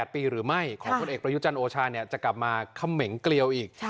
๘ปีหรือไม่ของพลเอกประยุจันทร์โอชาจะกลับมาเขม่งเกลียวอีก